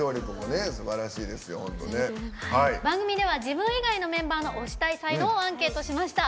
番組では自分以外の才能を推したい才能をアンケートしました。